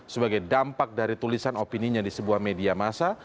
sebagai dampak dari tulisan opininya di sebuah media masa